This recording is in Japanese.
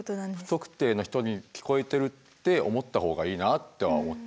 不特定の人に聞こえてるって思った方がいいなとは思ってるよね。